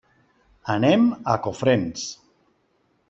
Anem a Cofrents.